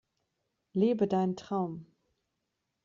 Lebe deinen Traum!